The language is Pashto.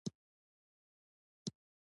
اخبار اللودي احمد بن سعيد الودي اثر دﺉ.